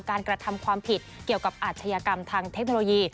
กระทำความผิดเกี่ยวกับอาชญากรรมทางเทคโนโลยี